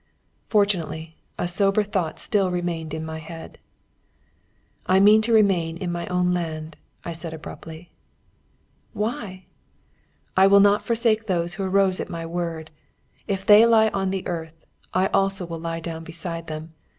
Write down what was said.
Fortunately, a sober thought still remained in my head. "I mean to remain in my own land," I said abruptly. "Why?" "I will not forsake those who arose at my word. If they lie on the earth, I also will lie down beside them.